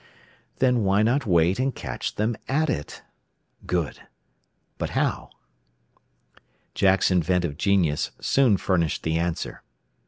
Then why not wait and catch them at it? Good. But how? Jack's inventive genius soon furnished the answer.